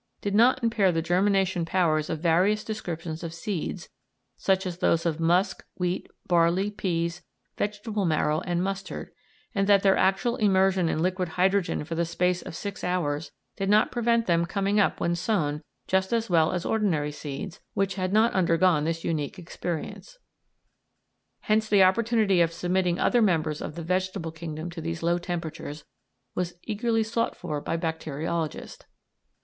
did not impair the germination powers of various descriptions of seeds, such as those of musk, wheat, barley, peas, vegetable marrow, and mustard, and that their actual immersion in liquid hydrogen for the space of six hours did not prevent them coming up when sown just as well as ordinary seeds which had not undergone this unique experience; hence the opportunity of submitting other members of the vegetable kingdom to these low temperatures was eagerly sought for by bacteriologists.